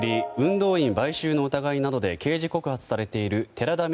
動員買収の疑いなどで刑事告発されている寺田稔